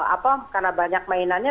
apa karena banyak mainannya